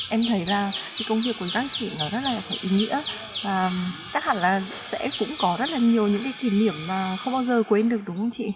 em thấy ra công việc của các chị rất là ý nghĩa và chắc hẳn là sẽ cũng có rất là nhiều những kỷ niệm mà không bao giờ quên được đúng không chị